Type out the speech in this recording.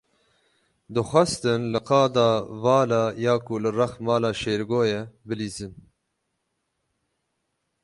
Dixwastin li qada vala ya ku li rex mala Şêrgo ye, bilîzin.